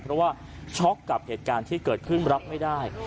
เพราะว่าช็อกกับเหตุการณ์ที่เกิดขึ้นรับไม่ได้